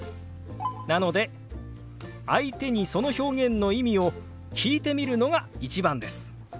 なので相手にその表現の意味を聞いてみるのが一番です。